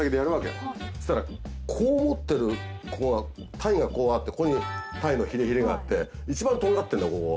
そしたらこう持ってる鯛がこうあってここに鯛のヒレヒレがあって一番とんがってんのここ。